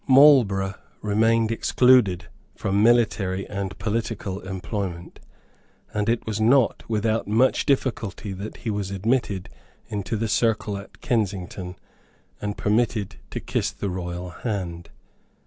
Marlborough remained excluded from military and political employment; and it was not without much difficulty that he was admitted into the circle at Kensington, and permitted to kiss the royal hand.